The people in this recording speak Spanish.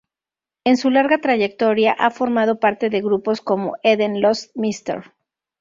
En su larga trayectoria a formado parte de grupos como Eden Lost, Mr.